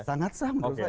sangat sah menurut saya